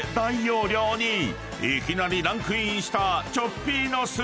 ［いきなりランクインした］